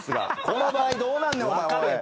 この場合どうなんねんお前おい。